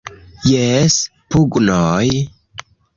Jes pugnoj!